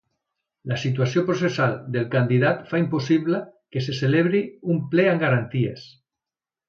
La situació processal del candidat fa impossible que se celebri un ple amb garanties.